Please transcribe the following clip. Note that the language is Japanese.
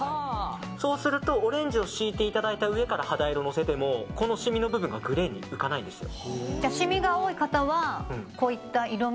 そうするとオレンジを敷いていただいた上から肌色をのせてもこのシミの部分がグレーに浮かないんですよ。